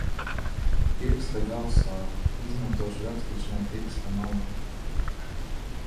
Pirksta gals sāp, izmantošu rakstīšanai pirksta malu.